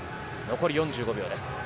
残り４５秒です。